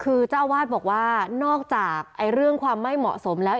คือเจ้าอาวาสบอกว่านอกจากเรื่องความไม่เหมาะสมแล้ว